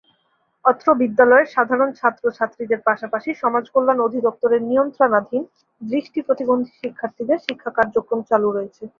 অত্র বিদ্যালয়ের সাধারণ ছাত্র-ছাত্রীদের পাশাপাশি সমাজ কল্যাণ অধিদপ্তরের নিয়ন্ত্রণাধীন দৃষ্টি প্রতিবন্ধী শিক্ষার্থীদের শিক্ষা কার্যক্রম চালু রয়েছে।